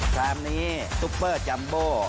ชามนี้ซุปเปอร์จัมโบ